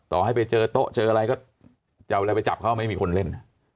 ต่อให้ไปเจอโต๊ะเจออะไรก็จะเอาอะไรไปจับเขาไม่มีคนเล่น